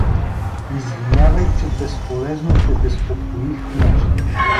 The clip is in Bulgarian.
— Извинявай, че безполезно те безпокоих, княже.